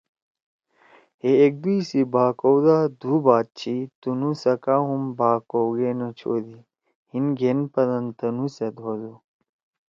ہے ایگ دئی سی بھاکؤ دا دُھو بات چھی، تُنُو سکا ہُم بھا ہؤ گے نہ چھودی! ہیِن گھن پدن تُنُو سیت ہودُو۔